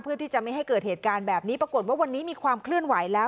เพื่อที่จะไม่ให้เกิดเหตุการณ์แบบนี้ปรากฏว่าวันนี้มีความเคลื่อนไหวแล้ว